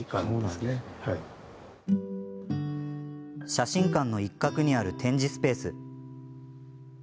写真館の一角にある展示スペース。